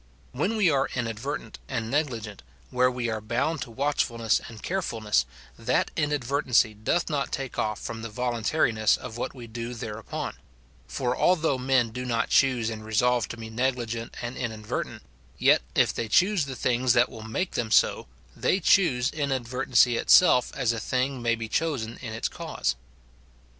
When we are inadvertent and negligent, where we are bound to watchfulness and carefulness, that inadvertency doth not take off from the voluntariness of what we do thereupon ; for although men do not choose and resolve to be negli gent and inadvertent, yet if they choose the things that will make them so, they choose inadvertency itself as a thing may be chosen in its cause.